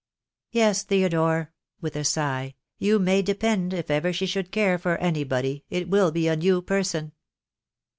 Yes, Theodore," with a sigh, "you may de pend if ever she should care for anybody, it will be a new person."